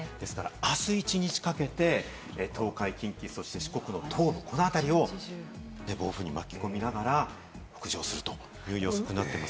あす一日かけて東海、近畿、そして四国と、この辺り、暴風に巻き込みながら北上するという予想になっています。